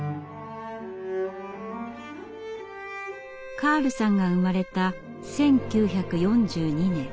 カールさんが生まれた１９４２年。